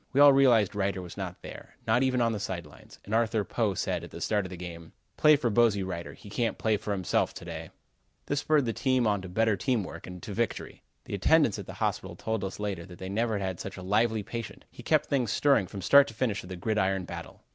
We all realized Reiter was not there: not even on the side lines, and Arthur Poe said, at the start of the game: "Play for Bosey Reiter. He can't play for himself to day." This spurred us on to better team work and to victory. The attendants at the hospital told us later that they never had had such a lively patient. He kept things stirring from start to finish of the gridiron battle.